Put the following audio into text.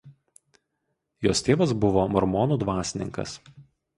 Jos tėvas buvo mormonų dvasininkas.